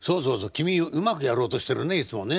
君うまくやろうとしてるねいつもね。